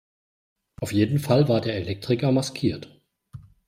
Auf jeden Fall war der Elektriker maskiert.